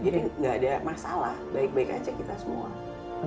jadi gak ada masalah baik baik aja kita semua